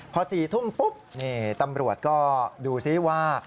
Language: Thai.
พอ๔ทุ่มปุ๊บนี่ตำรวจก็ดูซิว่า